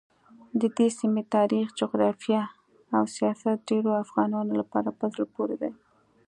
ددې سیمې تاریخ، جغرافیه او سیاست ډېرو افغانانو لپاره په زړه پورې دي.